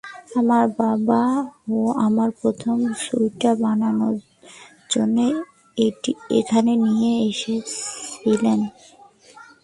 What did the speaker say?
আমার বাবাও আমার প্রথম স্যুটটা বানানোর জন্য এখানে নিয়ে এসেছিলেন।